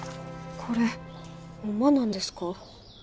これホンマなんですか？